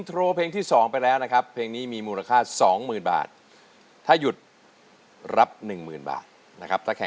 โทรเพลงที่๒ไปแล้วนะครับเพลงนี้มีมูลค่า๒๐๐๐บาทถ้าหยุดรับ๑๐๐๐บาทนะครับ